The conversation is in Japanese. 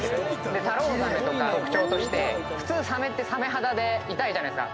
タロウザメとか特徴として普通サメってさめ肌で痛いじゃないですか。